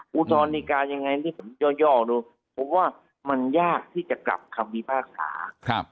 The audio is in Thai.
ภูทรนิกายังไงที่ผมย่อดูเพราะว่ามันยากที่จะกลับความมีภาคศาสตร์